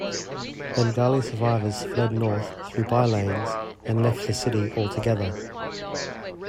Bengali survivors fled north through by lanes and left the city altogether.